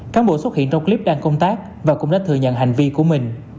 cán bộ xuất hiện trong clip đang công tác và cũng đã thừa nhận hành vi của mình